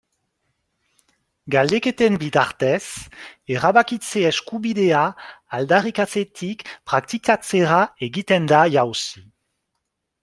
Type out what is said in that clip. Galdeketen bitartez, erabakitze eskubidea aldarrikatzetik praktikatzera egiten da jauzi.